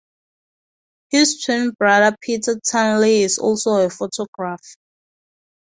His twin brother Peter Turnley is also a photographer.